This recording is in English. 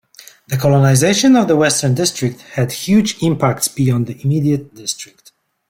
The colonization of the Western District had huge impacts beyond the immediate district.